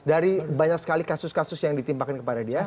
dari banyak sekali kasus kasus yang ditimpakan kepada dia